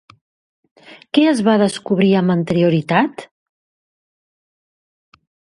Què es va descobrir amb anterioritat?